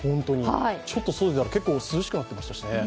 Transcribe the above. ちょっと外に出たら結構涼しくなってましたしね。